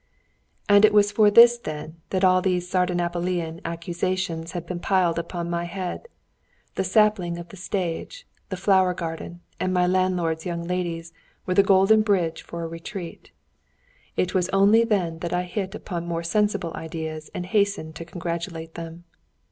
And it was for this, then, that all these Sardanapalian accusations had been piled upon my head. The sapling of the stage, the flower garden, and my landlord's young ladies were the golden bridge for a retreat. It was only then that I hit upon more sensible ideas and hastened to congratulate them.